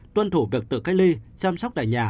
tuân thủ việc tự cách ly chăm sóc tại nhà